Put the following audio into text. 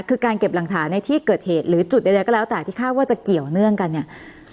คือการเก็บหลักฐานในที่เกิดเหตุหรือจุดใดก็แล้วแต่ที่คาดว่าจะเกี่ยวเนื่องกันเนี่ย